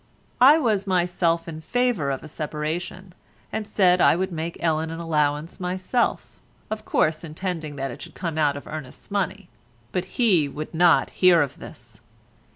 I was myself in favour of a separation, and said I would make Ellen an allowance myself—of course intending that it should come out of Ernest's money; but he would not hear of this.